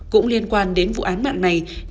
cũng liên quan đến vụ án mạng này